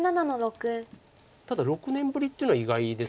ただ６年ぶりっていうのは意外です。